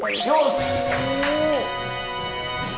よし！